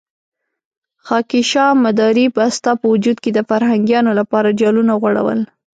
خاکيشاه مداري به ستا په وجود کې د فرهنګيانو لپاره جالونه غوړول.